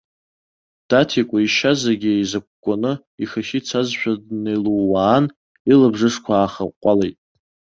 Даҭикәа ишьа зегьы еизыкәкәаны ихахьы ицазшәа днеилууаан, илабжышқәа аахаҟәҟәалеит.